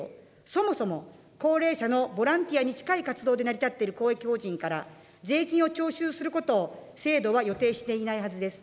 そもそも、高齢者のボランティアに近い活動で成り立っている公益法人から、税金を徴収することを制度は予定していないはずです。